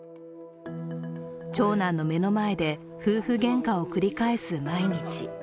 長男の目の前で、夫婦げんかを繰り返す毎日。